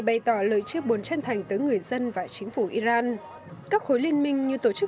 bày tỏ lời chia buồn chân thành tới người dân và chính phủ iran các khối liên minh như tổ chức